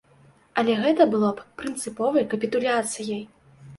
Але гэта было б прынцыповай капітуляцыяй!